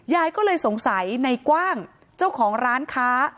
ยายก็เลยสงสัยในกว้างเจ้าของร้านค้า